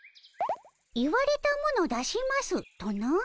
「言われたもの出します」とな？